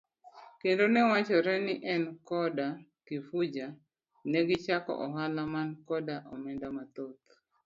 Kendo newachore ni en koda Kifuja negichako ohala man koda omenda mathoth.